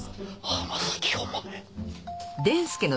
浜崎お前。